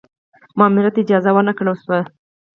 ماموریت ته اجازه ور نه کړل شوه.